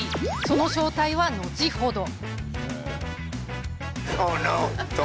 その正体は、後ほど。